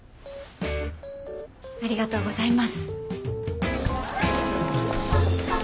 ありがとうございます。